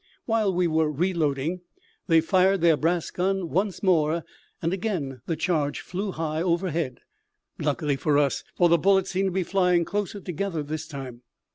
While we were reloading they fired their brass gun once more, and again the charge flew high overhead luckily for us, for the bullets seemed to be flying closer together this time.